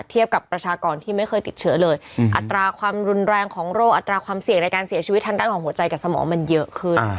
กับประชากรที่ไม่เคยติดเชื้อเลยอัตราความรุนแรงของโรคอัตราความเสี่ยงในการเสียชีวิตทางด้านของหัวใจกับสมองมันเยอะขึ้น